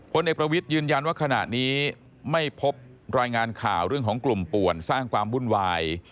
เอกประวิทย์ยืนยันว่าขณะนี้ไม่พบรายงานข่าวเรื่องของกลุ่มป่วนสร้างความวุ่นวาย